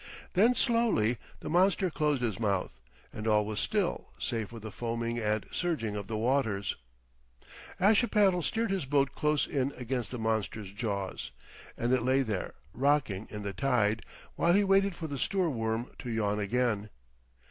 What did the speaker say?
Then slowly the monster closed his mouth and all was still save for the foaming and surging of the waters. Ashipattle steered his boat close in against the monster's jaws, and it lay there, rocking in the tide, while he waited for the Stoorworm to yawn again.